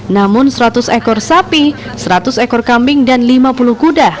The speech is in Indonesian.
namun seratus ekor sapi seratus ekor kambing dan lima puluh kuda